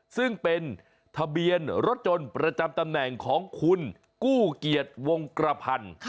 ซึ่งเป็นทะเบียนรถยนต์ประจำตำแหน่งของคุณกู้เกียรติวงกระพันธ์